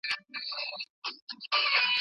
که ښوونکی حوصله ولري، زده کوونکی نه ناهیلی کېږي.